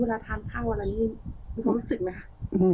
เวลาทานเท้าวันนี้มีความรู้สึกไหมคะ